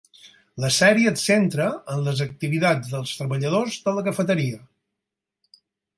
La sèrie se centra en les activitats dels treballadors de la cafeteria.